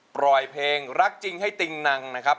ปล่อยเพลงรักจริงให้ติงนังนะครับ